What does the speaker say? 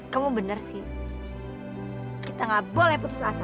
kamu benar sih kita gak boleh putus asa